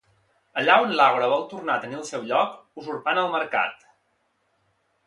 Allà on l'Àgora vol tornar a tenir el seu lloc, usurpant el Mercat.